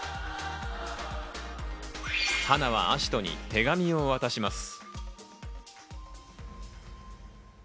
花は葦人に手紙を渡します。